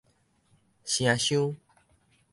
城廂